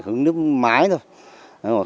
hướng nước mái thôi